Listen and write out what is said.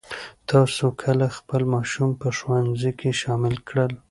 تاسو کله خپل ماشومان په ښوونځي کې شامل کړل؟